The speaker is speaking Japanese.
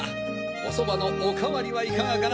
おそばのおかわりはいかがかな？